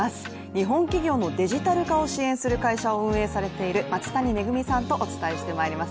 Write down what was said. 日本企業のデジタル化を支援する会社を運営されている松谷恵さんとお伝えしてまいります。